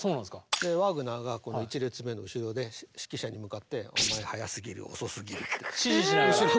ワーグナーがこの１列目の後ろで指揮者に向かって「お前早すぎる遅すぎる」って。指示しながら？